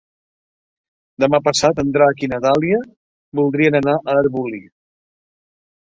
Demà passat en Drac i na Dàlia voldrien anar a Arbolí.